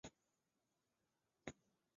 仁寿三年。